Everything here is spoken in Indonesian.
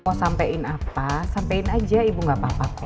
oh sampein apa sampein aja ibu gak apa apa